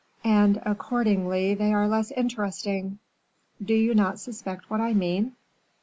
"And accordingly they are less interesting." "Do you not suspect what I mean?"